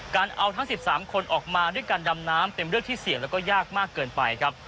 การเอาทั้ง๑๓คนออกมาด้วยการดำน้ำเป็นเรื่องที่เสี่ยงแล้วก็ยากมากเกินไปครับ